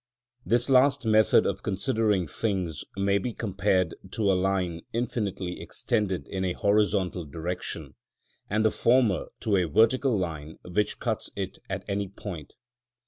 This last method of considering things may be compared to a line infinitely extended in a horizontal direction, and the former to a vertical line which cuts it at any point.